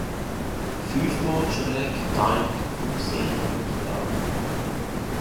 Fünfmal schräg geteilt von Silber und Blau.